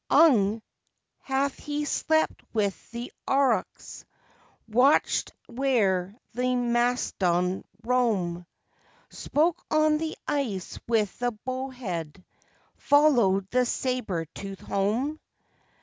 "Ung hath he slept with the Aurochs watched where the Mastodon roam? Spoke on the ice with the Bow head followed the Sabre tooth home?